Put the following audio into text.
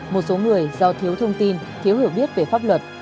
một số người do thiếu thông tin thiếu hiểu biết về pháp luật